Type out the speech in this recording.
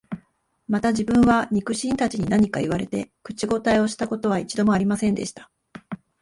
また自分は、肉親たちに何か言われて、口応えした事は一度も有りませんでした